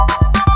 kau mau kemana